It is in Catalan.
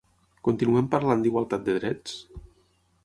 Continuam parlant d'Igualtat de drets?